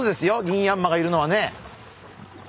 ギンヤンマがいるのはね。